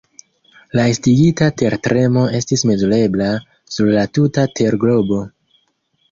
La estigita tertremo estis mezurebla sur la tuta terglobo.